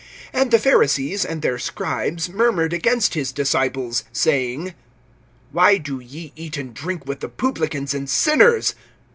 (30)And the Pharisees, and their scribes[5:30], murmured against his disciples, saying: Why do ye eat and drink with the publicans and sinners?